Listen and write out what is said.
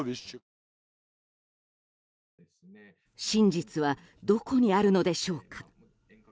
真実はどこにあるのでしょうか。